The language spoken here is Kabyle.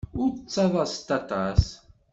Ur ttaḍḍaset aṭas.